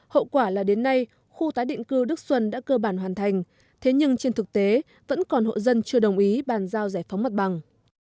hậu quả là đến nay khu tái định cư đức xuân đã cơ bản hoàn thành thế nhưng trên thực tế vẫn còn hộ dân chưa đồng ý bàn giao giải phóng mặt bằng